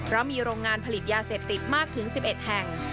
เพราะมีโรงงานผลิตยาเสพติดมากถึง๑๑แห่ง